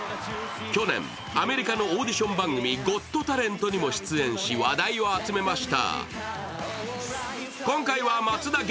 去年、アメリカのオーディション番組「ゴット・タレント」にも出場し話題を集めました。